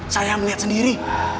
saya melihat sendiri